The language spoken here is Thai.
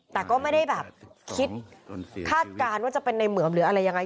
แต่ก็ไม่ได้แบบคิดคาดการณ์ว่าจะเป็นในเหมือมหรืออะไรยังไง